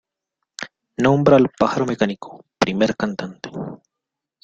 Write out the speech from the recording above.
Nombra al pájaro mecánico "primer cantante".